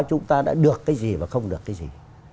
chúng ta đã được cái gì và không được cái gì